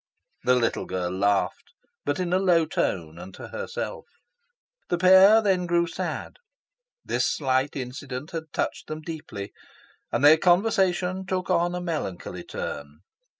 The little girl laughed, but in a low tone, and to herself. The pair then grew sad. This slight incident had touched them deeply, and their conversation took a melancholy turn.